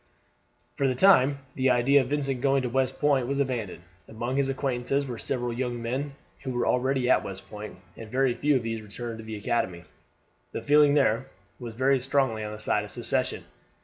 For the time the idea of Vincent going to West Point was abandoned. Among his acquaintances were several young men who were already at West Point, and very few of these returned to the academy. The feeling there was very strongly on the side of secession.